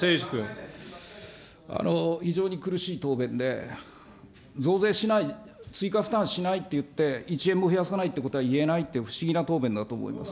非常に苦しい答弁で、増税しない、追加負担しないって言って、１円も増やさないってことは言えないって不思議な答弁だと思います。